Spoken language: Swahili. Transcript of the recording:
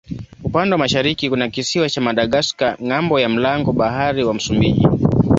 Upande wa mashariki kuna kisiwa cha Madagaska ng'ambo ya mlango bahari wa Msumbiji.